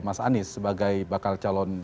mas anies sebagai bakal calon